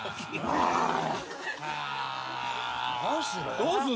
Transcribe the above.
どうする？